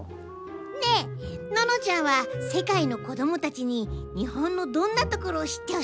ねえののちゃんはせかいの子どもたちに日本のどんなところを知ってほしい？